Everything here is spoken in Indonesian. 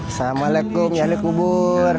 assalamualaikum ya ahli kubur